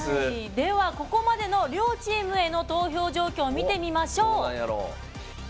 ではここまでの両チームの投票状況を見てみましょう。